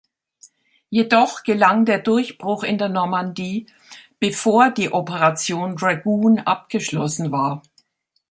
Jedoch gelang der Durchbruch in der Normandie, bevor die Operation Dragoon abgeschlossen war.